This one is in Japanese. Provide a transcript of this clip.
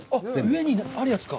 上にあるやつか。